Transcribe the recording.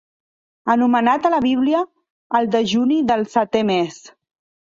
Anomenat a la Bíblia el dejuni del setè mes.